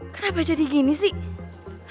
kenapa jadi gini sih